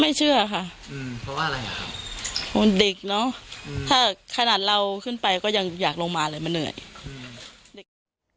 ไม่เชื่อค่ะอืมเพราะว่าอะไรค่ะโหดิกเนอะอืมถ้าขนาดเราขึ้นไปก็ยังอยากลงมาเลยมันเหนื่อยอืม